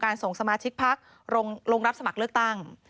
ส่งสมาชิกพักลงรับสมัครเลือกตั้ง